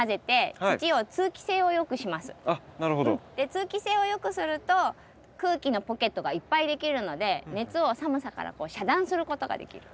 通気性をよくすると空気のポケットがいっぱいできるので熱を寒さから遮断することができる。